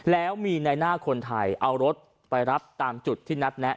แล้วมีในหน้าคนไทยเอารถไปรับตามจุดที่นัดแนะ